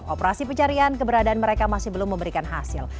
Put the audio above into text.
operasi pencarian keberadaan mereka masih belum memberikan hasil